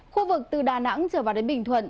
khu vực từ đà nẵng trở vào đến bình thuận